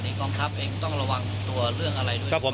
บ่ายต้องอย่างหลัง